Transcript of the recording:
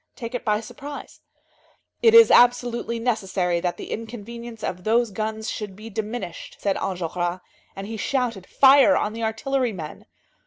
take it by surprise. "It is absolutely necessary that the inconvenience of those guns should be diminished," said Enjolras, and he shouted: "Fire on the artillery men!"